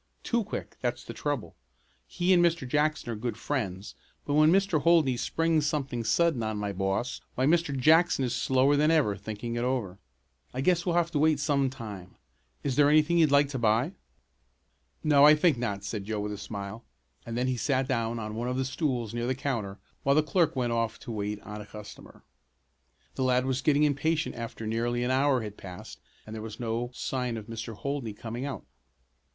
Too quick, that's the trouble. He and Mr. Jackson are good friends, but when Mr. Holdney springs something sudden on my boss, why Mr. Jackson is slower than ever, thinking it over. I guess you'll have to wait some time. Is there anything you'd like to buy?" "No, I think not," said Joe with a smile, and then he sat down on one of the stools near the counter while the clerk went off to wait on a customer. The lad was getting impatient after nearly an hour had passed and there was no sign of Mr. Holdney coming out.